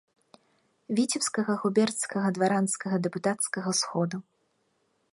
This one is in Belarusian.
Віцебскага губернскага дваранскага дэпутацкага сходу.